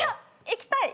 行きたい。